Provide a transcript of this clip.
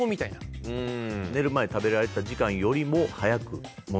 寝る前食べられてた時間よりも。